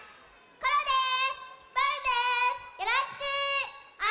コロです。